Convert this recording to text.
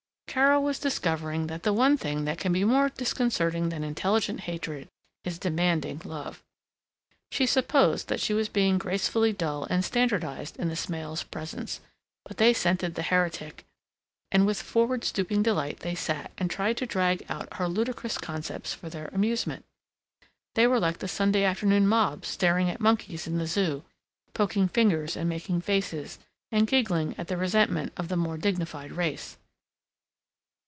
Carol was discovering that the one thing that can be more disconcerting than intelligent hatred is demanding love. She supposed that she was being gracefully dull and standardized in the Smails' presence, but they scented the heretic, and with forward stooping delight they sat and tried to drag out her ludicrous concepts for their amusement. They were like the Sunday afternoon mob starting at monkeys in the Zoo, poking fingers and making faces and giggling at the resentment of the more dignified race.